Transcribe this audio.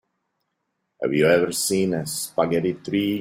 Have you ever seen a spaghetti tree?